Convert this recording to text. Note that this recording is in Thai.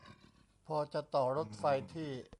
พอจะต่อรถไฟที่